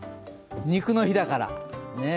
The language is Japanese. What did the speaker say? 肉の日だから。